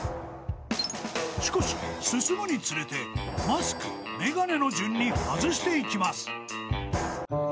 ［しかし進むにつれてマスク眼鏡の順に外していきます］